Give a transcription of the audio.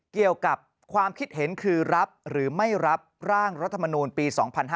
เกี่ยวกับความคิดเห็นคือรับหรือไม่รับร่างรัฐมนูลปี๒๕๕๙